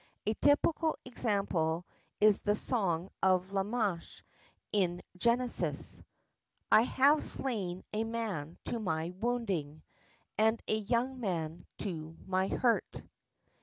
A typical example is the Song of Lamech in Genesis— "I have slain a man to my wounding, And a young man to my hurt."